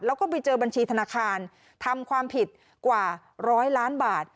แล้วก็ไปเจอบัญชีธนาคารทำความผิดกว่าร้อยล้านบาท